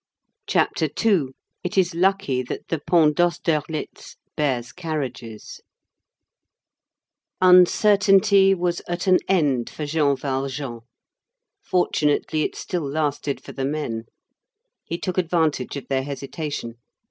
CHAPTER II—IT IS LUCKY THAT THE PONT D'AUSTERLITZ BEARS CARRIAGES Uncertainty was at an end for Jean Valjean: fortunately it still lasted for the men. He took advantage of their hesitation.